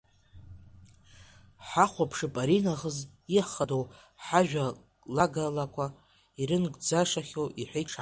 Ҳахәаԥшып аринахыс ихадоу ҳажәалагалақәа ирынагӡашьахоу, — иҳәеит Шамба.